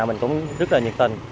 mình cũng rất là nhiệt tình